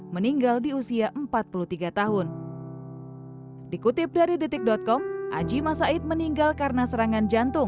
meninggal di usia empat puluh tiga tahun dikutip dari detik com aji masaid meninggal karena serangan jantung